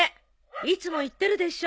いつも言ってるでしょ。